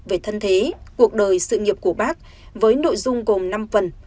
về thân thế cuộc đời sự nghiệp của bác với nội dung gồm năm phần